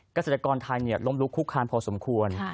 เกษตรกรทายเนียดล้มลุกคุกคานพอสมควร